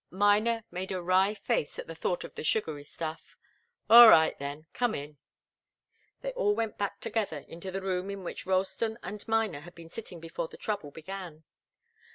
Miner made a wry face at the thought of the sugary stuff. "All right then, come in!" They all went back together into the room in which Ralston and Miner had been sitting before the trouble began.